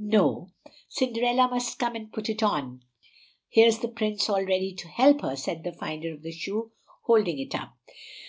"No; Cinderella must come and put it on. Here's the Prince all ready to help her," said the finder of the shoe, holding it up.